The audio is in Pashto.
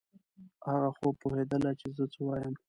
هغه خو پوهېدله چې زه څه وایم.